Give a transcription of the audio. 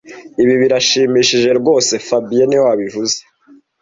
Ibi birashimishije rwose fabien niwe wabivuze